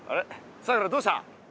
さくらどうした？